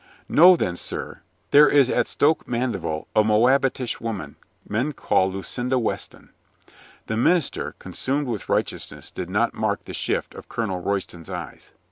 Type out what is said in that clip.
"Know then, sir, there is at Stoke Mandeville a Moabitish woman men call Lucinda Weston." The minister, consumed with righteousness, did not mark the shift of Colonel Royston's eyes.